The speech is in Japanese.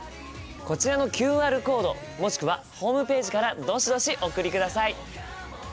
こちらのＱＲコードもしくはホームページからどしどしお送りください！